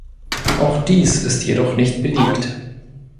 Auch dies ist jedoch nicht belegt.